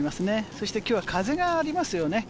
そして今日は風がありますよね。